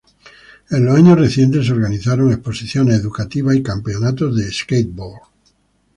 En los años recientes se organizaron exposiciones educativas y campeonatos de skateboard.